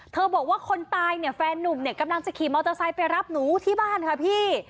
บอกว่าคนตายเนี่ยแฟนนุ่มเนี่ยกำลังจะขี่มอเตอร์ไซค์ไปรับหนูที่บ้านค่ะพี่